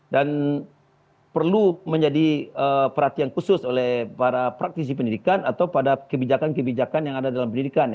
dan perlu menjadi perhatian khusus oleh para praktisi pendidikan atau pada kebijakan kebijakan yang ada dalam pendidikan